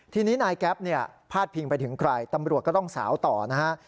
ทีนี้นายแก๊ปเนี่ยพาดพิงไปถึงใครตำรวจก็ต้องสาวต่อนะฮะ